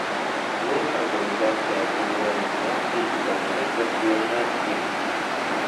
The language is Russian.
Мы, Организация Объединенных Наций, должны поддержать их.